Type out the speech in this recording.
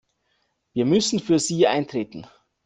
Wir müssen für sie eintreten.